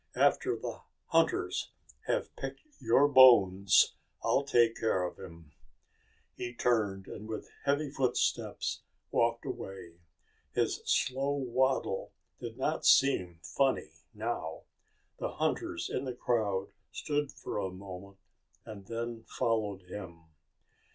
After the hunters have picked your bones, I'll take care of him." He turned, and with heavy footsteps walked away. His slow waddle did not seem funny now. The hunters in the crowd stood for a moment, and then followed him.